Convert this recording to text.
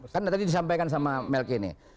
kan tadi disampaikan sama melky nih